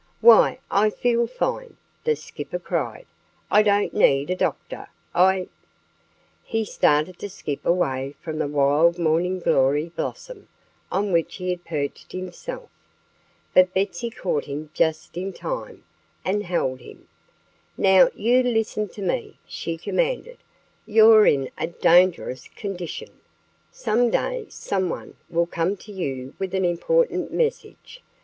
"Why, I feel fine!" the Skipper cried. "I don't need a doctor. I " He started to skip away from the wild morning glory blossom on which he had perched himself. But Betsy caught him just in time and held him. "Now, you listen to me!" she commanded. "You're in a dangerous condition. Some day someone will come to you with an important message.